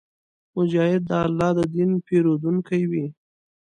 مجاهد د الله د دین پېرودونکی وي.